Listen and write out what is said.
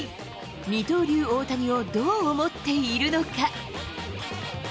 二刀流、大谷をどう思っているのか。